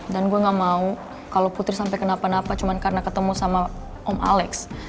dan gue gak mau kalo putri sampai kenapa napa cuma karena ketemu sama om alex